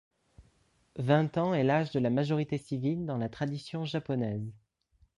Vingt ans est l'âge de la majorité civile dans la tradition japonaise.